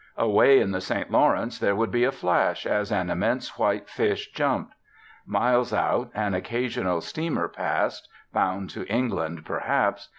Away in the St Lawrence there would be a flash as an immense white fish jumped. Miles out an occasional steamer passed, bound to England perhaps.